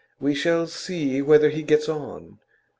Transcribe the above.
We shall see whether he gets on.